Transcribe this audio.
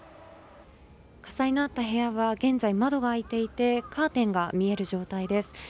火災のあった部屋は現在、窓が開いていてカーテンが見える状態です。